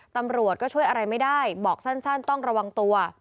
ตำรวจก็ช่วยอะไรไม่ได้บอกสั้นต้องระวังตัว